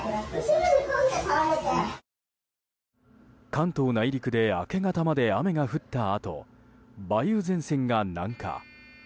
関東内陸で明け方まで雨が降ったあと梅雨前線が南下。